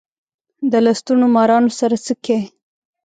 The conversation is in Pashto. د لستوڼو مارانو سره څه کئ.